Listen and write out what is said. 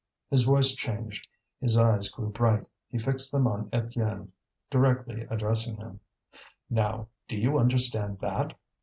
His voice changed, his eyes grew bright, he fixed them on Étienne, directly addressing him: "Now, do you understand that?